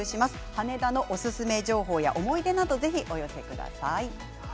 羽田のおすすめ情報や思い出などお寄せください。